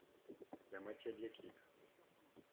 La moitié de l’équipe.